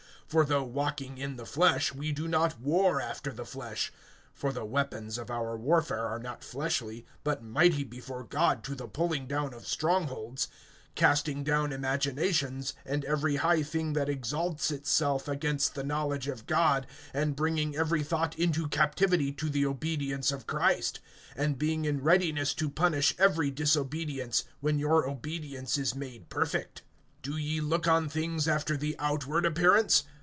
(3)For though walking in the flesh, we do not war after the flesh; (4)(for the weapons of our warfare are not fleshly, but mighty before God to the pulling down of strongholds) (5)casting down imaginations, and every high thing that exalts itself against the knowledge of God, and bringing every thought into captivity to the obedience of Christ; (6)and being in readiness to punish every disobedience, when your obedience is made perfect. (7)Do ye look on things after the outward appearance?